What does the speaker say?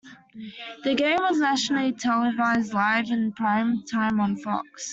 The game was nationally televised live in prime time on Fox.